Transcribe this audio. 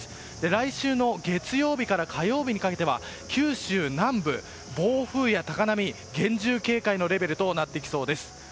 来週の月曜日から火曜日にかけて九州南部、暴風や高波厳重警戒のレベルとなってきそうです。